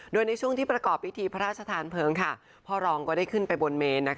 โดยในช่วงที่ประกอบพิธีพระราชทานเพลิงพ่อรองก็ได้ขึ้นไปบนเมน